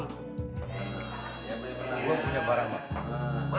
gue punya barang bagus